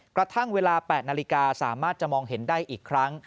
กระทั่งเวลา๘นาฬิกาสามารถจะมองเห็นได้อีกครั้ง